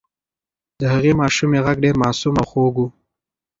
د هغې ماشومې غږ ډېر معصوم او خوږ و.